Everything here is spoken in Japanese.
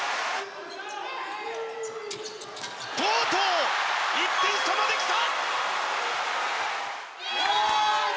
とうとう１点差まで来た！